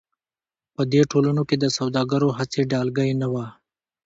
په دې ټولنو کې د سوداګرو هېڅ ډلګۍ نه وه.